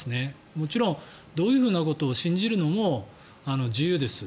もちろんどういうことを信じるのも自由ですよ。